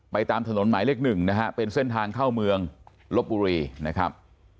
ตามถนนหมายเลขหนึ่งนะฮะเป็นเส้นทางเข้าเมืองลบบุรีนะครับ